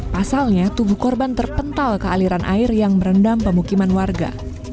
pasalnya tubuh korban terpental ke aliran air yang merendam pemukiman warga